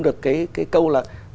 được cái câu là